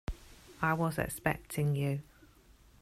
I was expecting you.